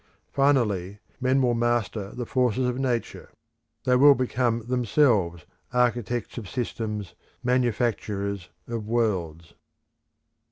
Finally, men will master the forces of Nature; they will become themselves architects of systems, manufacturers of worlds.